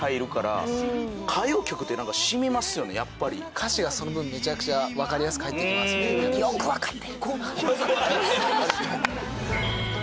歌詞がその分めちゃくちゃわかりやすく入ってきますもんね。